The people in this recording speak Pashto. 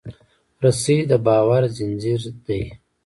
رسۍ د باور زنجیر دی.